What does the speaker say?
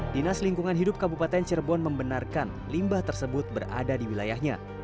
dinas lingkungan hidup kabupaten cirebon membenarkan limbah tersebut berada di wilayahnya